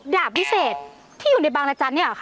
ดาบพิเศษที่อยู่ในบางรจันทร์เนี่ยเหรอคะ